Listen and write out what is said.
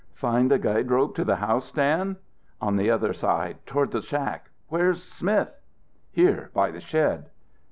"Find the guide rope to the house, Dan?" "On the other side, toward the shack. Where's Smith?" "Here, by the shed."